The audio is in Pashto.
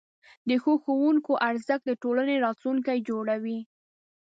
د ښو ښوونکو ارزښت د ټولنې راتلونکی جوړوي.